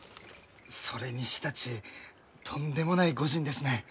それにしたちとんでもない御仁ですね。